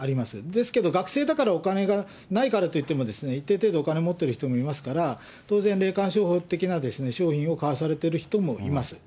ですけど、学生だからお金がないからと言ってもですね、一定程度お金持っている人もいますから、当然、霊感商法的な商品を買わされてる人もいます。